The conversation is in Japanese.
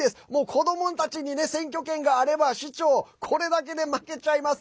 子どもたちに選挙権があれば市長これだけで負けちゃいます。